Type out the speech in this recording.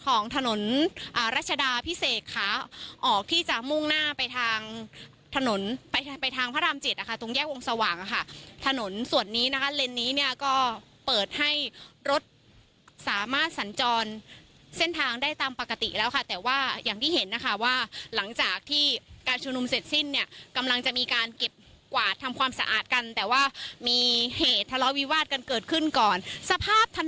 ของถนนรัชดาพิเศษขาออกที่จะมุ่งหน้าไปทางถนนไปไปทางพระรามเจ็ดนะคะตรงแยกวงสว่างค่ะถนนส่วนนี้นะคะเลนส์นี้เนี่ยก็เปิดให้รถสามารถสัญจรเส้นทางได้ตามปกติแล้วค่ะแต่ว่าอย่างที่เห็นนะคะว่าหลังจากที่การชุมนุมเสร็จสิ้นเนี่ยกำลังจะมีการเก็บกวาดทำความสะอาดกันแต่ว่ามีเหตุทะเลาะวิวาสกันเกิดขึ้นก่อนสภาพทัน